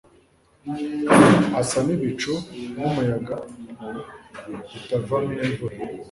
asa n'ibicu n'umuyaga bitavamo imvura